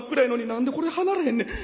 何でこれ離れへんねん。